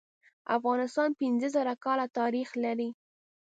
افغانستان پینځه زره کاله تاریخ لري.